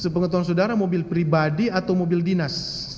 sepengetahuan saudara mobil pribadi atau mobil dinas